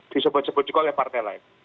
disebut sebut juga oleh partai lain